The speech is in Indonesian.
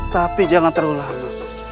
tapi jangan terlalu lama